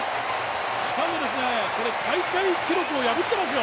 しかも大会記録も破っていますよ。